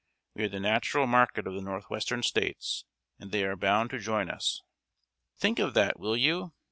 We are the natural market of the northwestern States, and they are bound to join us!" Think of that, will you!